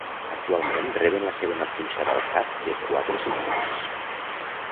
Actualment, reben la segona punxada al cap de quatre setmanes.